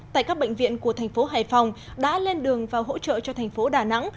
tại các bệnh viện của thành phố hải phòng đã lên đường và hỗ trợ cho thành phố đà nẵng